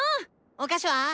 お菓子は？